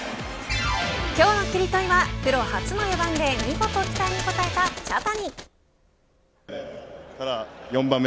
今日のキリトリはプロ初の４番で見事期待に応えた茶谷。